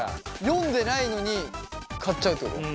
読んでないのに買っちゃうってこと？